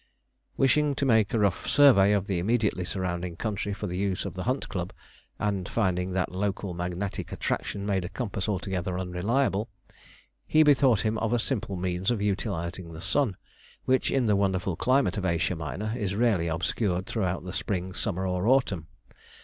Wishing to make a rough survey of the immediately surrounding country for the use of the Hunt Club, and finding that local magnetic attraction made a compass altogether unreliable, he bethought him of a simple means of utilising the sun, which in the wonderful climate of Asia Minor is rarely obscured throughout the spring, summer, or autumn.